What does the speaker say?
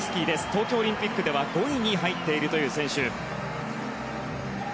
東京オリンピックでは５位に入っている選手。